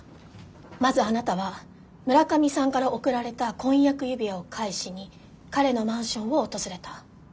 まずあなたは村上さんから贈られた婚約指輪を返しに彼のマンションを訪れた。